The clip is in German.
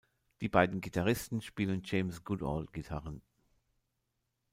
Die beiden Gitarristen spielen James Goodall-Gitarren.